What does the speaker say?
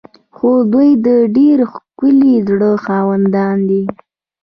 خو دوی د ډیر ښکلي زړه خاوندان دي.